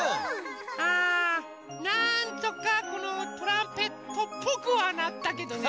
あなんとかこのトランペットっぽくはなったけどね。